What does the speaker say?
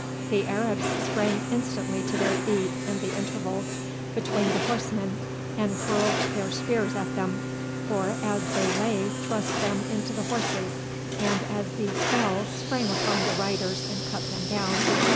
The Arabs sprang instantly to their feet in the intervals between the horsemen and hurled their spears at them, or as they lay thrust them into the horses, and as these fell sprang upon the riders and cut them down.